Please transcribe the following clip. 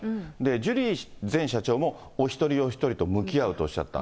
ジュリー前社長も、お一人お一人と向き合うとおっしゃった。